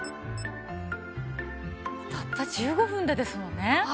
たった１５分でですもんね。